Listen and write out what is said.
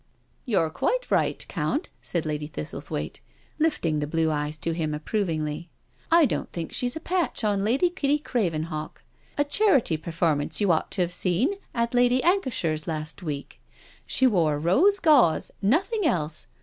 " You're quite right, Count," said Lady Thistle thwaite, lifting the blue eyes to him approvingly. " I don't think she's a patch on Lady Kitty Cravenhawk — a charity performance you ought to have seen, at Lady Ancashire's last week. She wore rose gauze, nothing else.